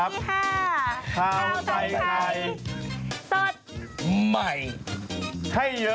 ข้าวไตรไทยสดใหม่ให้เยอะ